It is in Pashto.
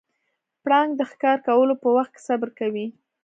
پړانګ د ښکار کولو په وخت کې صبر کوي.